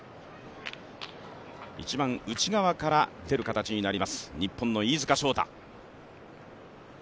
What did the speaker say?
一番内側から出る形になります日本の飯塚翔太。